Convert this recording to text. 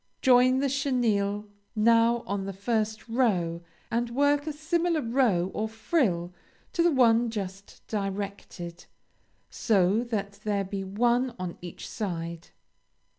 Join the chenille now on to the first row, and work a similar row or frill to the one just directed, so that there be one on each side.